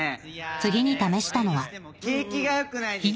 次に試したのは景気が良くないですよね。